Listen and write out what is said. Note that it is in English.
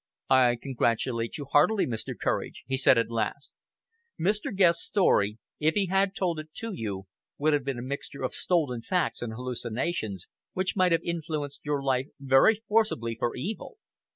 "I congratulate you heartily, Mr. Courage," he said at last. "Mr. Guest's story, if he had told it to you, would have been a mixture of stolen facts and hallucinations, which might have influenced your life very forcibly for evil.